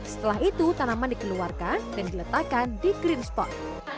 setelah itu tanaman dikeluarkan dan diletakkan di green spot